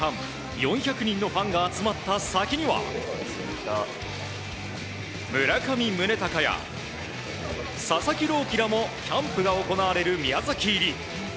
４００人のファンが集まった先には村上宗隆や佐々木朗希らもキャンプが行われる宮崎入り。